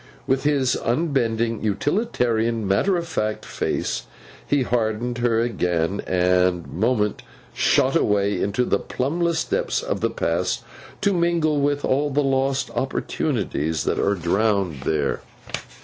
With his unbending, utilitarian, matter of fact face, he hardened her again; and the moment shot away into the plumbless depths of the past, to mingle with all the lost opportunities that are drowned there.